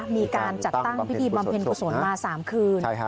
มีการจัดตั้งพิธีบำเพ็ญกุศลมา๓คืน